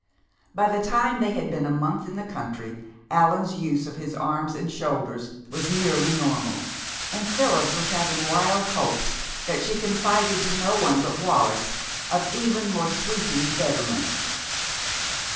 By the time they had been a month in the country Allan's use of his arms and shoulders was nearly normal, and Phyllis was having wild hopes, that she confided to no one but Wallis, of even more sweeping betterments.